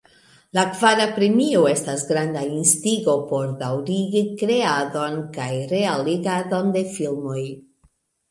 La kvara premio estas granda instigo por daŭrigi kreadon kaj realigadon de filmoj.